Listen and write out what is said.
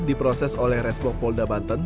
diproses oleh resmok polda banten